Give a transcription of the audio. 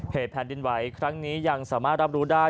แผ่นดินไหวครั้งนี้ยังสามารถรับรู้ได้